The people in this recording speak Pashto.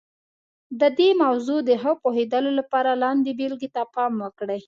د دې موضوع د ښه پوهېدلو لپاره لاندې بېلګې ته پام وکړئ.